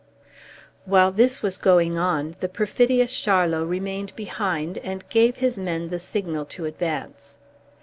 While this was going on the perfidious Charlot remained behind and gave his men the signal to advance.